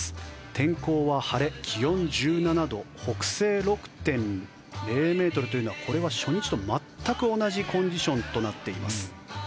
天候は晴れ、気温１７度北西６．０ｍというのはこれは初日と全く同じコンディションとなっています。